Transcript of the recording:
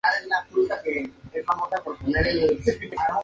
Tiene una hija, Amparo, que es interventora del ayuntamiento de Canals.